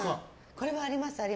これは、あります。